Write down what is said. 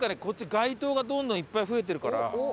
こっち街灯がどんどんいっぱい増えてるから。